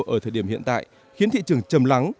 ở thời điểm hiện tại khiến thị trường chầm lắng